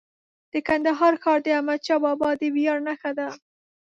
د کندهار ښار د احمدشاه بابا د ویاړ نښه ده.